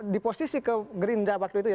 di posisi ke gerindra waktu itu ya